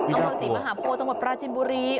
เอามาสีมหาโพลจังหวัดปราจินบุรี